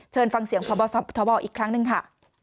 เชิญฟังเสียงพระบอธรรมบอกอีกครั้งหนึ่งค่ะ